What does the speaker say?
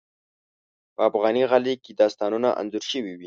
په افغاني غالۍ کې داستانونه انځور شوي وي.